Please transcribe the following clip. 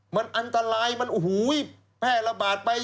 มันอันตรายมันโอ้โหแพร่ระบาดไป